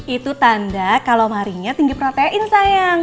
itu tanda kalau maharinya tinggi protein sayang